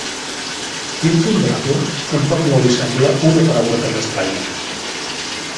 Imponderable tampoc no li sembla una paraula tan estranya.